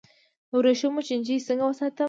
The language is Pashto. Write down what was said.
د وریښمو چینجی څنګه وساتم؟